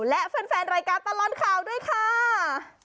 และแฟนรายการตลอดข่าวด้วยค่ะ